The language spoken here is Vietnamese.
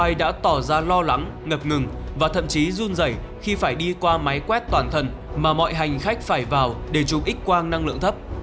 ai đã tỏ ra lo lắng ngập ngừng và thậm chí run dày khi phải đi qua máy quét toàn thân mà mọi hành khách phải vào để chụp x quang năng lượng thấp